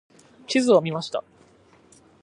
地図を見ました。